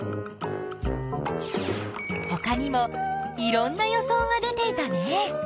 ほかにもいろんな予想が出ていたね。